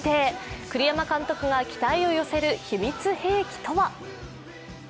栗山監督が期待を寄せる秘密兵器とは。